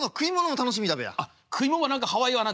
あっ食い物は何かハワイはな。